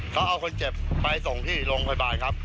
เขาเอาคนเจ็บไปส่งที่โรงพยาบาลครับ